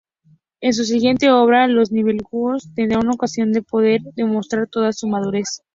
En su siguiente obra, "Los nibelungos", tendrá ocasión de poder demostrar toda su madurez.